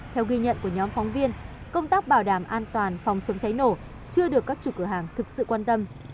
theo ghi nhận của nhóm phóng viên công tác bảo đảm an toàn phòng chống cháy nổ chưa được các chủ cửa hàng thực sự quan tâm